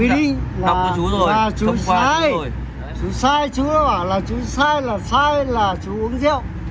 quy định là chú sai chú sai chú đã bảo là chú sai là sai là chú uống rượu